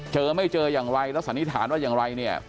ไม่เจออย่างไรแล้วสันนิษฐานว่าอย่างไรเนี่ย